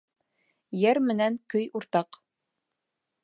Йыр менән көй уртаҡ.